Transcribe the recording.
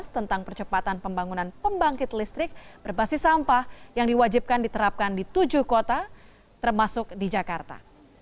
tentang percepatan pembangunan pembangkit listrik berbasis sampah yang diwajibkan diterapkan di tujuh kota termasuk di jakarta